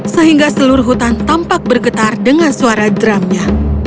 sehingga seluruh hutan tampak bergetar dengan suara drumnya